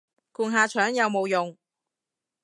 灌下腸有冇用